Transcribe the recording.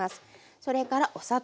それからお砂糖。